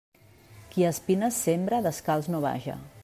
Qui espines sembra, descalç no vaja.